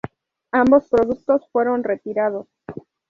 Ambos productos fueron retirados.